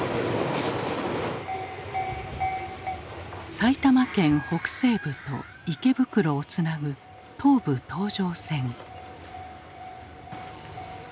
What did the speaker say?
埼玉県北西部と池袋をつなぐ東武東上線。